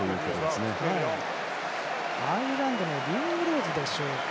アイルランドのリングローズでしょうか。